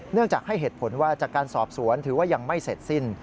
จากให้เหตุผลว่าจากการสอบสวนถือว่ายังไม่เสร็จสิ้น